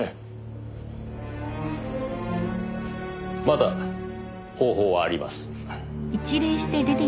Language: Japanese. まだ方法はあります。